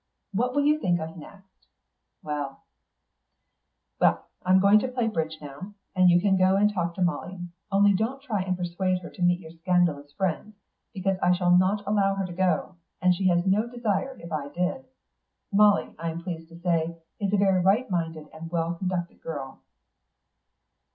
What will you think of next? Well, well, I'm going to play bridge now, and you can go and talk to Molly. Only don't try and persuade her to meet your scandalous friends, because I shall not allow her to, and she has no desire to if I did. Molly, I am pleased to say, is a very right minded and well conducted girl."